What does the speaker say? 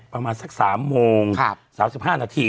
ประมาณสัก๓โมง๓๕นาที